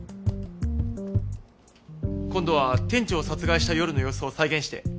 今度は店長を殺害した夜の様子を再現して。